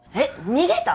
逃げた？